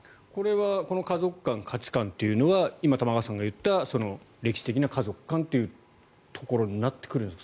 この家族観価値観というのは今、玉川さんが言った歴史的な家族観というところになってくるんですか？